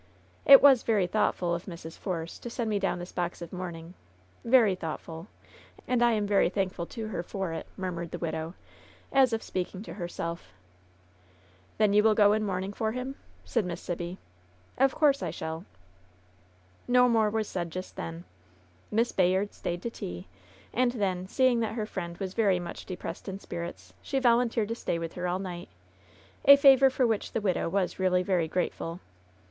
"It was very thoughtful of Mrsl Force to send me idown this box of mourning — ^very uioughtfiQ. And I am very thankful to hsr for it," mfehniu^ the widow, as if speaking to herself. LOVE'S BITTEREST CUP 67 ''Then you will go in mourning for lim V^ said Miss Sibby. "Of course I shall/' No more was said just then. Miss Bayard stayed to tea. And then, seeing that her friend was very much depressed in spirits, die volun teered to stay with her all night; a favor for which the widow was really very grateful.